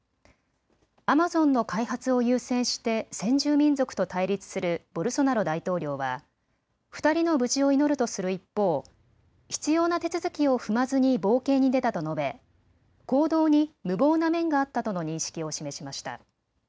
アマゾンの開発を優先して先住民族と対立するボルソナロ大統領は、２人の無事を祈るとする一方、必要な手続きを踏まずに冒険に出たと述べ、行動に無謀な面があったとの認識を示しました。